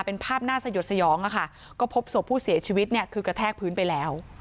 เป็นภาพน่าสยดสยองอะค่ะก็พบศพผู้เสียชีวิตเนี่ยคือกระแทกพื้นไปแล้ว